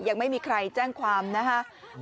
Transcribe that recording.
ยังไม่มีใครแจ้งความนะครับ